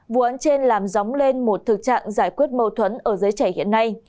vụ án trên làm dóng lên một thực trạng giải quyết mâu thuẫn ở giới trẻ hiện nay